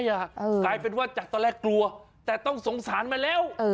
กลายเป็นว่าจากตอนแรกกลัวแต่ต้องสงสารมาแล้ว